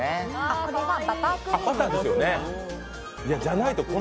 これはバタークリーム。